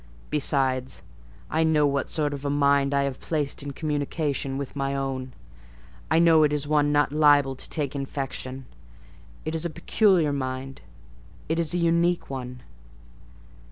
Besides, I know what sort of a mind I have placed in communication with my own: I know it is one not liable to take infection: it is a peculiar mind: it is a unique one.